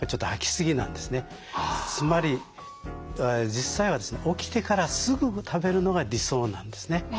つまり実際は起きてからすぐ食べるのが理想なんですね。